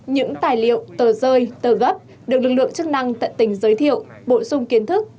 những tài liệu tờ rơi tờ gấp được lực lượng chức năng tận tình giới thiệu bổ sung kiến thức